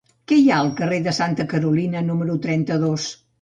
Què hi ha al carrer de Santa Carolina número trenta-dos?